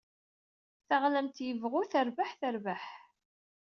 Taɣlamt yebɣun terbeḥ, terbeḥ.